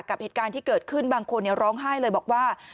กับเหตุการณ์ที่เกิดขึ้นบางคนร้องไห้เลยบอกว่า